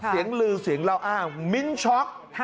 เสียงลือเสียงเล่าอ้างมิ้นช็อก